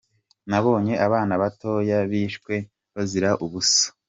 Nabonye abana batoya bishwe bazira ubusa.